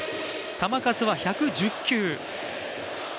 球数は１１０球。